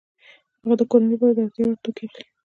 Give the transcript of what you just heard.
هغه د کورنۍ لپاره د اړتیا وړ توکي اخلي